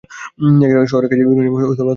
শহরের কাছেই ইউরেনিয়াম ও তামার খনি আছে।